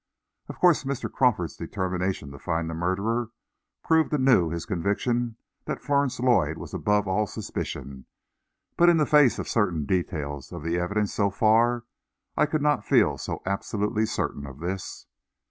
Of course Mr. Crawford's determination to find the murderer proved anew his conviction that Florence Lloyd was above all suspicion, but in the face of certain details of the evidence so far, I could not feel so absolutely certain of this.